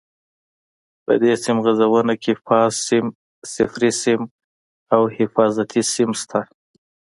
په دې سیم غځونه کې فاز سیم، صفري سیم او حفاظتي سیم شته.